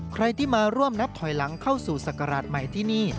ใครที่มาร่วมนับถอยหลังเข้าสู่ศักราชใหม่ที่นี่